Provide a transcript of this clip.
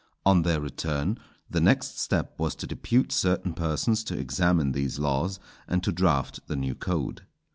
On their return, the next step was to depute certain persons to examine these laws and to draft the new code.